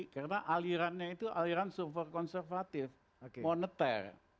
karena alirannya itu aliran super konservatif moneter